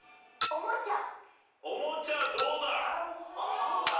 おもちゃどうだ？